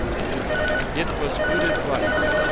It was good advice.